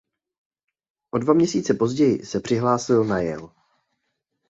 O dva měsíce později se přihlásil na Yale.